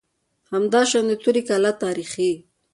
همداشان د توري کلا تاریخي